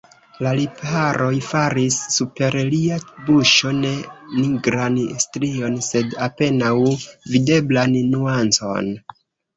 La lipharoj faris super lia buŝo ne nigran strion, sed apenaŭ videblan nuancon.